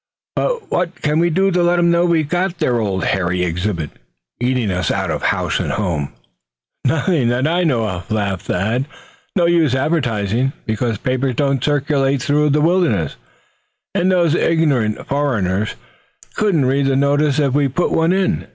"But what can we do to let 'em know we've got their old hairy exhibit eating us out of house and home?" "Nothing that I know of," laughed Thad, "No use advertising, because papers don't circulate through the wilderness; and those ignorant foreigners couldn't read the notice if we put one in.